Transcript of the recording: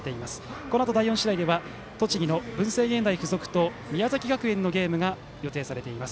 このあと第４試合では栃木の文星芸大付属と宮崎学園のゲームが予定されています。